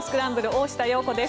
大下容子です。